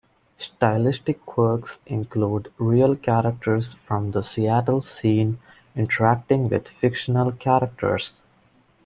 Stylistic quirks include real characters from the Seattle scene interacting with fictional characters.